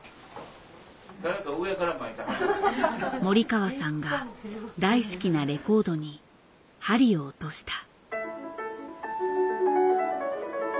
森川さんが大好きなレコードに針を落とした。